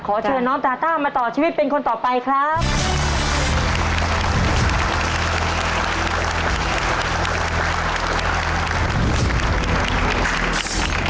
เชิญน้องตาต้ามาต่อชีวิตเป็นคนต่อไปครับ